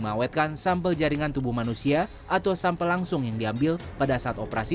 mengawetkan sampel jaringan tubuh manusia atau sampel langsung yang diambil pada saat operasi